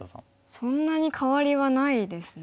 そんなに変わりはないですね。